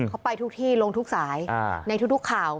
เขาไปทุกที่ลงทุกสายในทุกข่าว